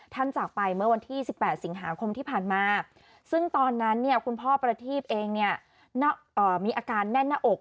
จากไปเมื่อวันที่๑๘สิงหาคมที่ผ่านมาซึ่งตอนนั้นเนี่ยคุณพ่อประทีบเองเนี่ยมีอาการแน่นหน้าอก